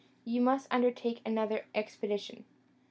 You must undertake another expedition.